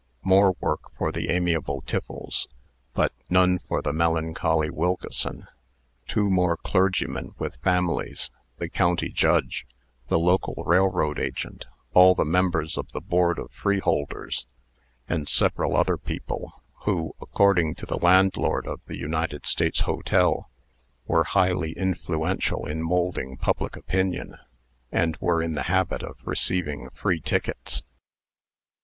More work for the amiable Tiffles, but none for the melancholy Wilkeson. Two more clergymen with families, the County Judge, the local railroad agent, all the members of the Board of Freeholders, and several other people, who, according to the landlord of the United States Hotel, were highly influential in moulding public opinion, and were in the habit of receiving free tickets.